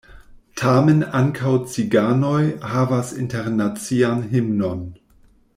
Tamen ankaŭ ciganoj havas internacian himnon.